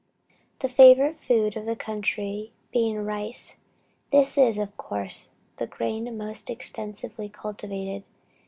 The favorite food of the country being rice, this is, of course, the grain most extensively cultivated.